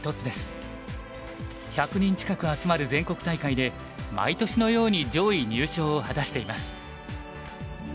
１００人近く集まる全国大会で毎年のように上位入賞を果たしています。